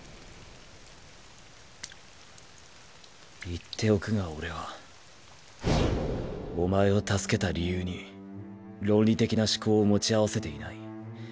言っておくが俺はお前を助けた理由に論理的な思考を持ち合わせていない。